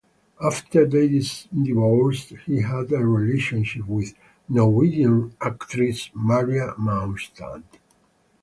After they divorced, he had a relationship with Norwegian actress Mari Maurstad.